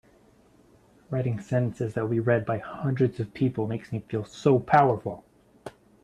Writing sentences that will be read by hundreds of people makes me feel so powerful!